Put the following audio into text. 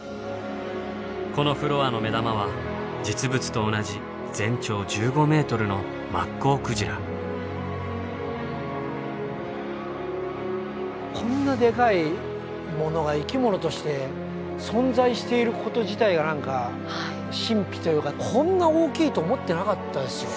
このフロアの目玉は実物と同じこんなでかいものが生き物として存在していること自体が何か神秘というかこんな大きいと思っていなかったですよ。